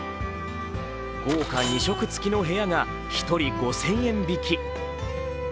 豪華２食つきの部屋が１人５０００円引き。